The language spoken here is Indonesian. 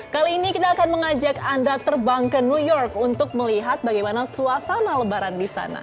kali ini kita akan mengajak anda terbang ke new york untuk melihat bagaimana suasana lebaran di sana